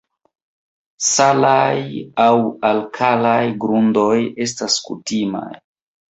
Salaj aŭ alkalaj grundoj estas kutimaj.